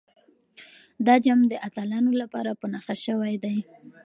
دا جام د اتلانو لپاره په نښه شوی دی.